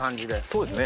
そうですね。